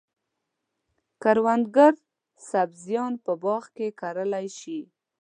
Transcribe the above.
کروندګر سبزیان په باغ کې کرلای شي.